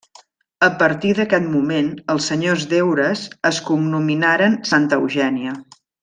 A partir d'aquest moment els senyors d'Eures es cognominaren Santa Eugènia.